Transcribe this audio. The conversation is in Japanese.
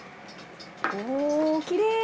おぉきれい！